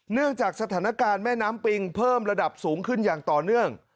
เนื่องจากสถานการณ์แม่น้ำปิงเพิ่มระดับสูงขึ้นอย่างต่อเนื่อง